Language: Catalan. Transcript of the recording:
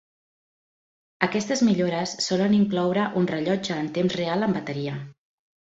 Aquestes millores solen incloure un rellotge en temps real amb bateria.